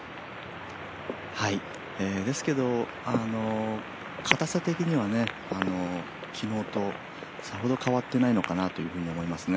ですけど、かたさ的には昨日とさほど変わってないのかなと思いますね。